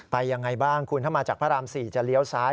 ยังไงบ้างคุณถ้ามาจากพระราม๔จะเลี้ยวซ้าย